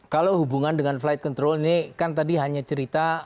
kalau hubungan dengan flight control ini kan tadi hanya cerita